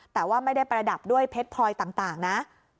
แต่ว่าไม่ได้ประดับด้วยเพชรพลอยต่างนะ